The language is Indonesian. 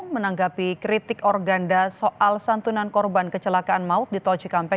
menanggapi kritik organda soal santunan korban kecelakaan maut di tol cikampek